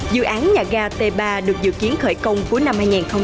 dự án nhà ga t ba được dự kiến khởi công cuối năm hai nghìn hai mươi